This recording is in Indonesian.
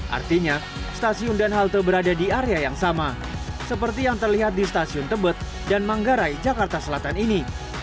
artinya stasiun dan halte berada di area yang sama seperti yang terlihat di stasiun tebet dan manggarai jakarta selatan ini